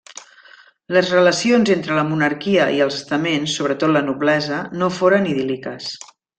Les relacions entre la monarquia i els estaments, sobretot la noblesa, no foren idíl·liques.